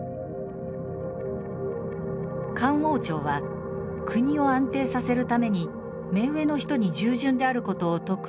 漢王朝は国を安定させるために目上の人に従順である事を説く